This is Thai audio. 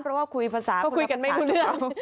เพราะว่าคุยภาษาคุณภาษาด้วย